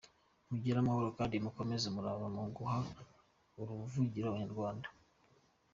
Mugire amahoro kandi mukomeze umurava mu uguha uruvugiro abanyarwanda.